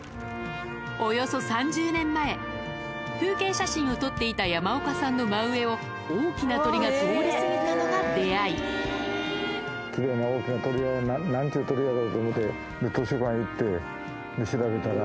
およそ３０年前風景写真を撮っていた山岡さんの真上を大きな鳥が通り過ぎたのが出会い何ちゅう鳥やろうと思うて。